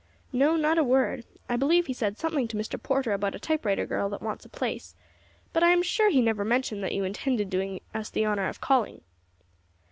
"No, not a word. I believe he said something to Mr. Porter about a typewriter girl that wants a place, but I am sure he never mentioned that you intended doing us the honor of calling."